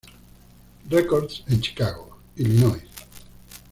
Records en Chicago, Illinois.